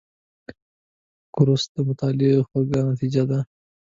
کورس د مطالعې خوږه نتیجه ده.